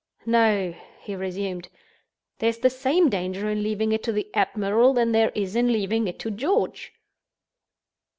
"No," he resumed; "there's the same danger in leaving it to the admiral that there is in leaving it to George."